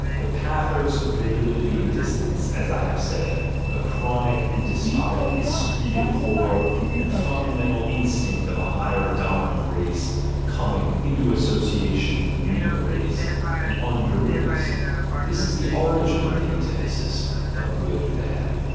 The pathos of nobility and distance, as I have said, the chronic and despotic esprit dc corps and fundamental instinct of a higher dominant race coming into association with a meaner race, an "under race," this is the origin of the antithesis of good and bad.